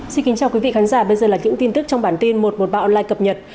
xin kính chào quý vị khán giả bây giờ là những tin tức trong bản tin một mươi một bạo online cập nhật